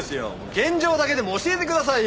現状だけも教えてくださいよ！